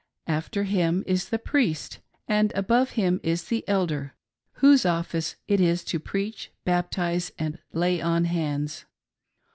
After him is the "Priest," and above him is the Elder whose office it is to preach, baptize and lay on hands.